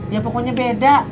ya pokoknya beda